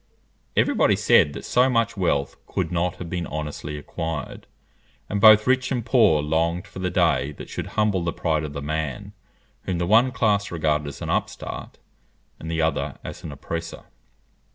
Every body said that so much wealth could not have been honestly acquired; and both rich and poor longed for the day that should humble the pride of the man, whom the one class regarded as an upstart and the other as an oppressor.